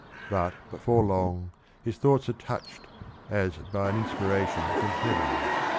But before long his thoughts are touched as by an inspiration from heaven.